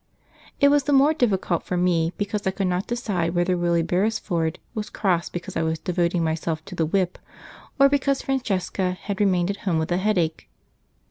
It was the more difficult for me because I could not decide whether Willie Beresford was cross because I was devoting myself to the whip, or because Francesca had remained at home with a headache.